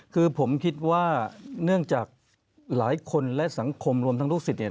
คือผมคิดว่าเนื่องจากหลายคนและสังคมรวมทั้งลูกศิษย์เนี่ย